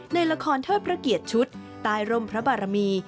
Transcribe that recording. ในละครเทศประเกียจชุดตายร่มพระบารมี